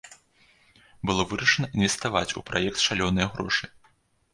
Было вырашана інвеставаць у праект шалёныя грошы.